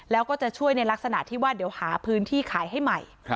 แล้วก็จะช่วยในลักษณะที่ว่าเดี๋ยวหาพื้นที่ขายให้ใหม่